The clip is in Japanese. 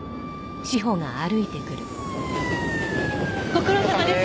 ご苦労さまです。